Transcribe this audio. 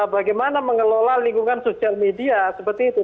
bagaimana mengelola lingkungan sosial media seperti itu